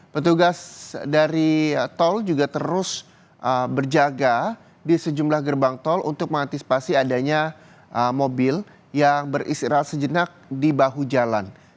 petugas dari tol juga terus berjaga di sejumlah gerbang tol untuk mengantisipasi adanya mobil yang beristirahat sejenak di bahu jalan